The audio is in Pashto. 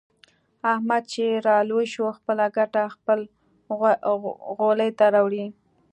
احمد چې را لوی شو. خپله ګټه خپل غولي ته راوړي.